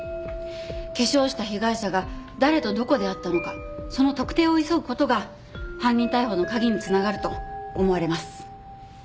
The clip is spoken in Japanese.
化粧をした被害者が誰とどこで会ったのかその特定を急ぐ事が犯人逮捕の鍵に繋がると思われます。